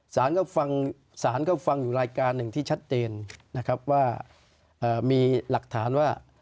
สารก็ฟังอยู่รายการหนึ่งที่ชัดเจนนะครับว่ามีหลักฐานว่า